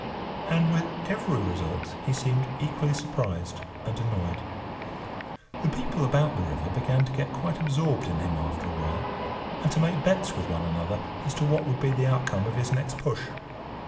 And with every result he seemed equally surprised and annoyed. The people about the river began to get quite absorbed in him after a while, and to make bets with one another as to what would be the outcome of his next push.